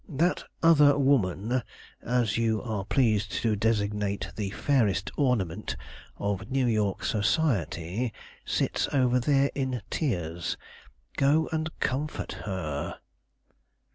That other woman, as you are pleased to designate the fairest ornament of New York society, sits over there in tears; go and comfort her."